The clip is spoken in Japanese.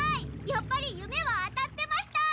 やっぱり夢は当たってました！